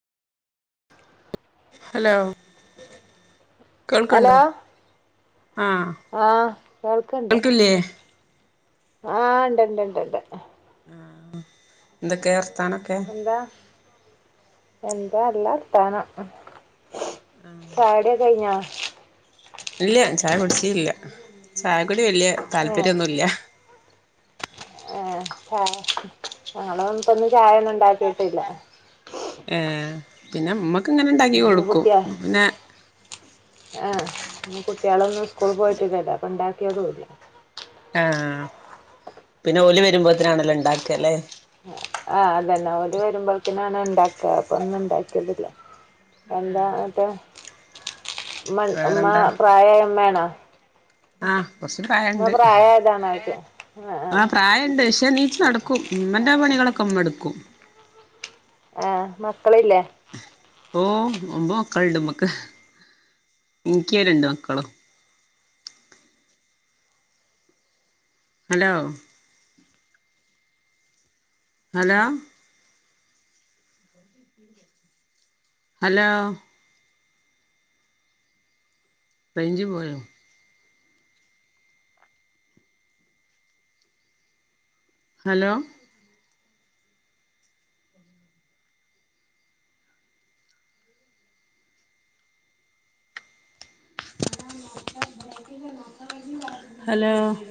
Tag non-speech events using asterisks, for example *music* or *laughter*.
Hello കേൾക്ക്ണ്ടോ? ആഹ് ആഹ് കേൾക്ക്ണ്ട് കേൾക്കില്ലേ ആഹ് ഇണ്ട് ഇണ്ട് ഇണ്ട് ഇണ്ട് ആഹ് ആഹ് ന്തൊക്കെ വ എന്താ എന്താ ല്ലർത്താനം ചായ കുടിക്കെ കഴിഞ്ഞോ? ഇല്ല ചായ കുടിച്ചില്ല ചായ കുടി വെല്യ താല്പര്യന്നുല്ല ഏഹ് ഏഹ് ഞങ്ങള് ഇന്ന്പ്പോ ചായ ഒന്നും ഉണ്ടാക്കിട്ടില്ല ഏഹ് പിന്നെ ഇമ്മക്ക്ങ്ങനെ ഇണ്ടാക്കി കൊടുക്കും പിന്നെ ആഹ് ഇന്ന് കുട്ട്യാളൊന്നും സ്കൂള് പോയിട്ടില്ലല്ലോ അപ്പ ഇണ്ടാക്കിയതുല്ല ആഹ് പിന്നെ ഓല് വെരുമ്പോത്ത്നാണല്ലോ ഇണ്ടാക്കാല്ലേ ആഹ് അതന്നെ ഓല് വെരുമ്പോ‌ക്കിനാണ് ഇണ്ടാക്ക അപ്പൊ ഇന്ന് ഇണ്ടാക്ക്യാതുല്ല എന്താ ഇന്നട്ട് ഉമ്മ ഉമ്മ വേറെന്താ പ്രായായ ഉമ്മേണോ? ആഹ് കോർച്ച് പ്രായണ്ട് പ്രായമായതാണോ ചോദിച്ചത് ആ ആഹ് പ്രായണ്ട് പക്ഷേ ന്നീച്ച് നട ക്കും ഉമ്മന്റെ പണികളൊക്കെ ഉമ്മ ഇട്ക്കും ഏഹ് മക്കളില്ലേ? ഓഹ് ഒമ്പത് മക്കള്ണ്ട് ഉമ്മക്ക് ഇൻക്ക് രണ്ട് മക്കളും ഹലോ ഹലോ *inaudible* ഹലോ റൈഞ്ച് പോയോ? Hello hello